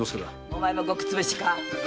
お前もごくつぶしか？